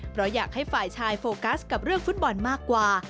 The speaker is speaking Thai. เพราะอยากให้ฝ่ายชายโฟกัสกับเรื่องฟุตบอลมากกว่า